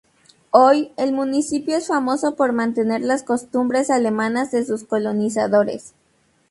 Hoy, el municipio es famoso por mantener las costumbres alemanas de sus colonizadores.